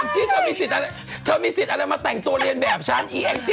เธอมีสิทธิ์อะไรมาแต่งตัวเรียนแบบฉันอีแองจี้